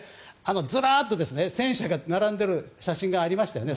ずらっと戦車が並んでいる写真がありますよね。